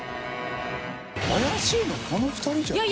怪しいのこの２人じゃない？